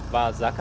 và giá cả chỗ